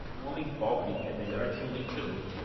Um homem pobre é melhor que um mentiroso.